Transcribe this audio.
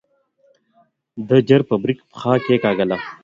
ده ژر په بريک پښه کېکاږله.